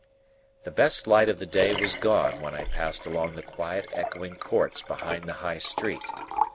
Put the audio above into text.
The best light of the day was gone when I passed along the quiet echoing courts behind the High Street.